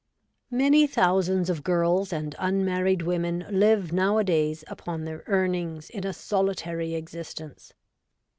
Many thousands of girls and unmarried women live nowadays upon their earnings in a solitary existence.